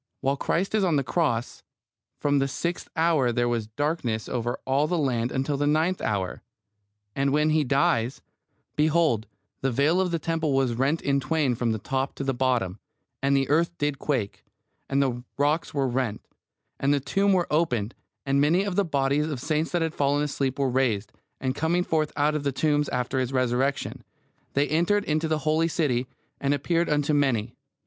While Christ is on the cross "from the sixth hour there was darkness over all the land until the ninth hour," and when He dies, "behold, the veil of the temple was rent in twain from the top to the bottom; and the earth did quake; and the rocks were rent; and the tombs were opened; and many bodies of the saints that had fallen asleep were raised; and coming forth out of the tombs after His Resurrection, they entered into the holy city, and appeared unto many."